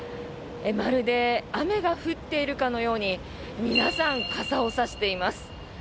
まるで雨が降っているかのように皆さん、傘を差しています。